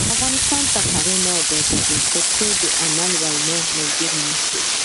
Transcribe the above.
افغانستان تر هغو نه ابادیږي، ترڅو عمل د وینا ملګری نشي.